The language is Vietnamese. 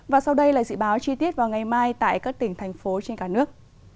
và sau đây là dự báo chi tiết vào ngày mai tại các tỉnh thành phố trên cả nước